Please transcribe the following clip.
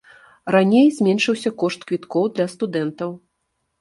Раней зменшыўся кошт квіткоў для студэнтаў.